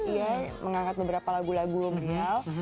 iya mengangkat beberapa lagu lagu lumpia